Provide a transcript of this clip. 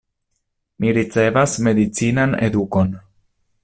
Mi ricevas medicinan edukon.